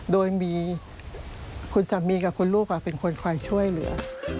โดยมีคุณสามีกับคุณลูกเป็นคนคอยช่วยเหลือ